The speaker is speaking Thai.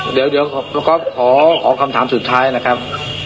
เดี๋ยวน้องก๊อฟขอคำถามสุดท้ายนะครับ